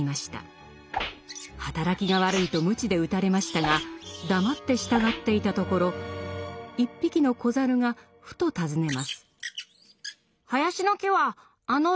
働きが悪いと鞭で打たれましたが黙って従っていたところ一匹の子猿がふと尋ねます。